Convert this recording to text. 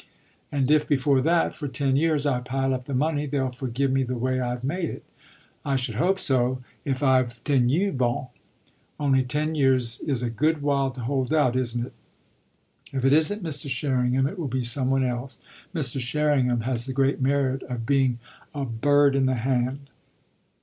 And if before that, for ten years, I pile up the money, they'll forgive me the way I've made it. I should hope so, if I've tenu bon! Only ten years is a good while to hold out, isn't it? If it isn't Mr. Sherringham it will be some one else. Mr. Sherringham has the great merit of being a bird in the hand.